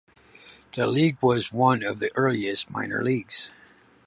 The league was one of the earliest minor leagues.